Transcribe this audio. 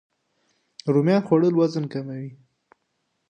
د رومیانو خوړل وزن کموي